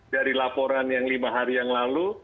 dari laporan yang lima hari yang lalu